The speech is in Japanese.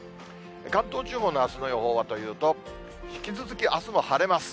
関東地方のあすの予報はというと、引き続き、あすも晴れます。